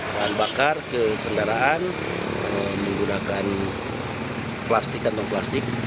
bahan bakar ke kendaraan menggunakan plastik kantong plastik